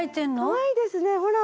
かわいいですねほら。